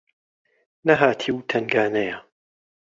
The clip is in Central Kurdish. نەهاتی و تەنگانەیە